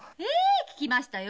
聞きましたよ。